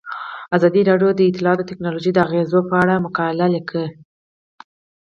ازادي راډیو د اطلاعاتی تکنالوژي د اغیزو په اړه مقالو لیکلي.